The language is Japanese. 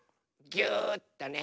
ぎゅっとね。